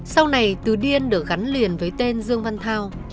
sau này từ điên được gắn liền với tên dương văn thao